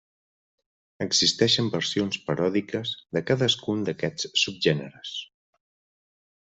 Existeixen versions paròdiques de cadascun d'aquests subgèneres.